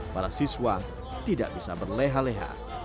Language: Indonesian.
para siswa tidak bisa berleha leha